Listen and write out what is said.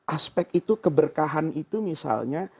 aspek itu keberkahan itu misalnya